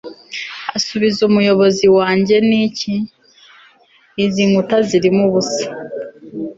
asubiza umuyobozi wanjye niki! izi nkuta zirimo ubusa